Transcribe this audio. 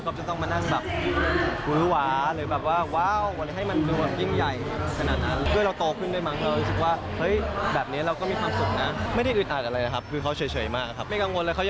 ก๊อปจะต้องมานั่งแบบฮือหวา